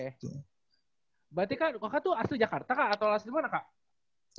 berarti kak lu asli jakarta kak atau lu asli mana kak